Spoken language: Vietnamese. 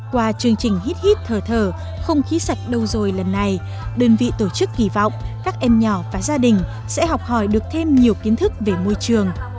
qua chương trình hít hít thở thở không khí sạch đâu rồi lần này đơn vị tổ chức kỳ vọng các em nhỏ và gia đình sẽ học hỏi được thêm nhiều kiến thức về môi trường